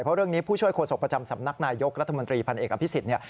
เพราะเรื่องนี้ผู้ช่วยโครงสกประจำสำนักนายกรัฐมนตรีพันธุ์เอกอัมพิสิทธิ์